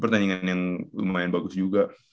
pertandingan yang lumayan bagus juga